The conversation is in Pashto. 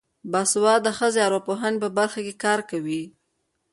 باسواده ښځې د ارواپوهنې په برخه کې کار کوي.